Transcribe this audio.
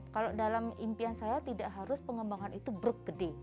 kalau dalam impian saya tidak harus pengembangan itu bergede